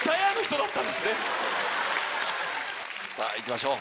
さぁいきましょう！